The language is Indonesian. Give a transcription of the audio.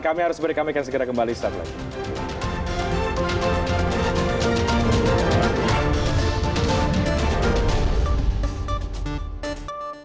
kami harus berikan segera kembali setelah ini